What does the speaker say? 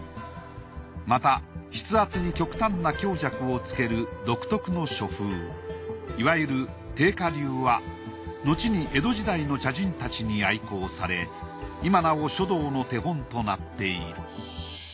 また筆圧に極端な強弱をつける独特の書風いわゆる定家流はのちに江戸時代の茶人たちに愛好され今なお書道の手本となっている。